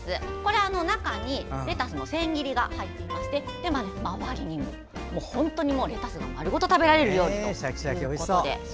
中にレタスの千切りが入っていまして周りにも、本当にもうレタスが丸ごと食べられる料理で。